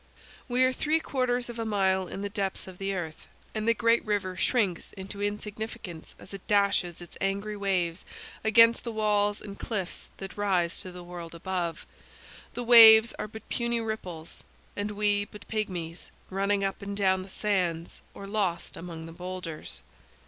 We are three quarters of a mile in the depths of the earth, and the great river shrinks into insignificance as it dashes its angry waves against the walls and cliffs that rise to the world above; the waves are but puny ripples, and we but pigmies, running up and down the sands or lost among the boulders.